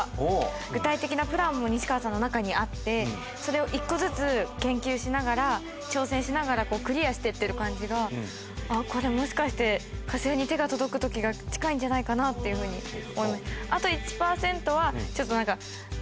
具体的なプランも西川さんの中にあってそれを１個ずつ研究しながら挑戦しながらクリアしていってる感じがあっこれもしかして火星に手が届く時が近いんじゃないかなっていうふうに思いました。